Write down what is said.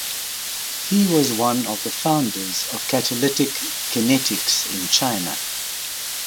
He was one of the founders of catalytic kinetics in China.